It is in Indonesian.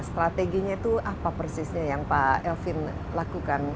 strateginya itu apa persisnya yang pak elvin lakukan